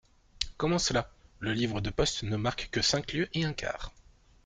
Comment cela ? le livre de poste ne marque que cinq lieues et un quart.